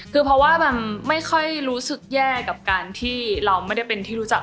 คือเพราะว่ามันไม่ค่อยรู้สึกแย่กับการที่เราไม่ได้เป็นที่รู้จัก